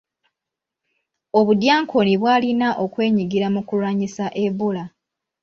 Obudyankoni bwalina okwenyigira mu kulwanyisa Ebola.